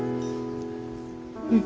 うん。